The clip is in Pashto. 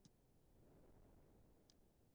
نادر خان تر حبيب الله کلکاني وروسته واک ته ورسيد.